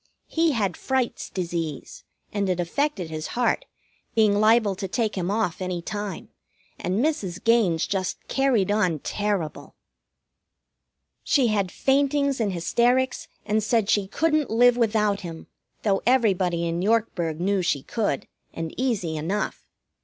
He had Fright's disease, and it affected his heart, being liable to take him off any time, and Mrs. Gaines just carried on terrible. She had faintings and hysterics, and said she couldn't live without him, though everybody in Yorkburg knew she could, and easy enough.